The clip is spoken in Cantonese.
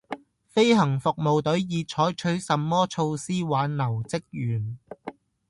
飛行服務隊已採取甚麼措施挽留職員